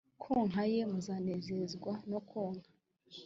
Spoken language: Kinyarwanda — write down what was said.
konka ye muzanezezwa no konka